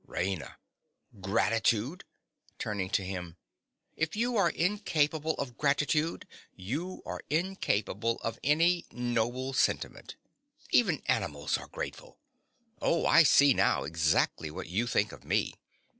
RAINA. Gratitude! (Turning on him.) If you are incapable of gratitude you are incapable of any noble sentiment. Even animals are grateful. Oh, I see now exactly what you think of me!